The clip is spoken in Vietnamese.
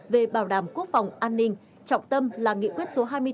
về bảo đảm quốc phòng an ninh trọng tâm là nghị quyết số hai mươi bốn của bộ chính trị